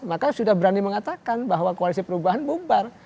maka sudah berani mengatakan bahwa koalisi perubahan bubar